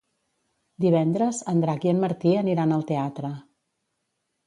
Divendres en Drac i en Martí aniran al teatre.